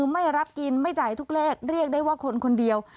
ไม่รับกินไม่จ่ายทุกเลขเรียกได้ว่าคนคนเดียว